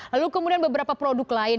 lalu kemudian beberapa produk lain